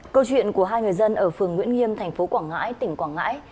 câu chuyện của hai người dân ở phường nguyễn nghiêm tp quảng ngãi tỉnh quảng ngãi